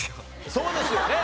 そうですよね。